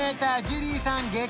ジュリーさん激